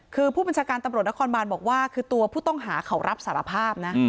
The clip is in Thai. คือผู้บัญชาการตำรวจนครบานบอกว่าคือตัวผู้ต้องหาเขารับสารภาพนะ